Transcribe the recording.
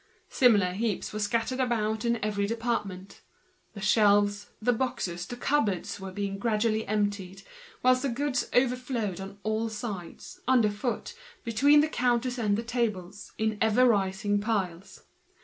Similar heaps were scattered about in very department; the shelves, the boxes, the cupboards were being gradually emptied, whilst the goods were overflowing on every side, under foot, between the counters and the tables, in a continual rising.